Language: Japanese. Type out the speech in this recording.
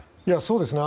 そうですね。